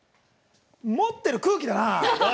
持ってる空気だな。